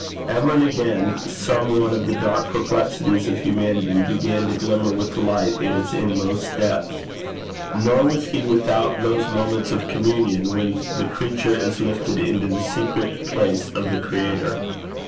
Ever and again some one of the dark perplexities of humanity began to glimmer with light in its inmost depth. Nor was he without those moments of communion when the creature is lifted into the secret place of the Creator.